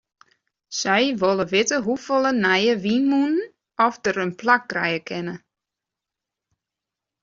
Sy wol witte hoefolle nije wynmûnen oft dêr in plak krije kinne.